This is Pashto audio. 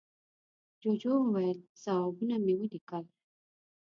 جوجو وویل، ځوابونه مې وليکل.